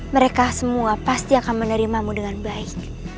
mereka semua pasti akan menerimamu dengan baik